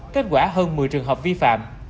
kết quả hơn một mươi trường hợp vi phạm